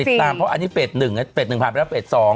ติดตามเพราะอันนี้เฟส๑เฟส๑ผ่านไปแล้วเฟส๒